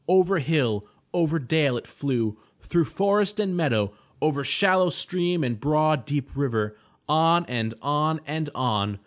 Over hill, over dale it flew, through forest and meadow, over shallow stream and broad deep river, on and on and on.